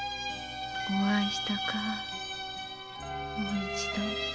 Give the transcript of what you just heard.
お会いしたかもう一度。